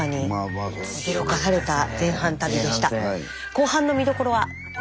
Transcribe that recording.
後半の見どころは？